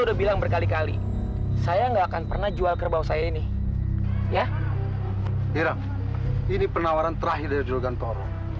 hiram ini penawaran terakhir dari juragan toro